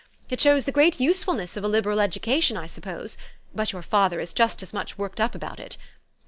It shows the great usefulness of a liberal education, I suppose ; but your father is just as much worked up about it.